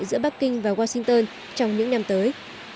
giữa bắc kinh và washington trong những năm tới